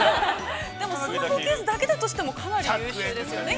でも、スマホケースだけだとしても、かなり優秀ですよね。